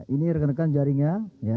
ini rekenakan jaringnya